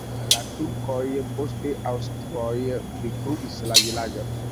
La turkoj, poste aŭstroj detruis la vilaĝon.